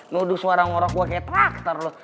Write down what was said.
nuduk suara norok gue kayak traktor lo